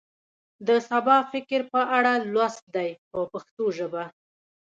د سبا فکر په اړه لوست دی په پښتو ژبه.